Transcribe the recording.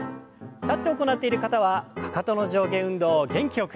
立って行っている方はかかとの上下運動を元気よく。